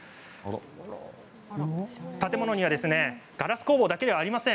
建物にはガラス工房だけではありません。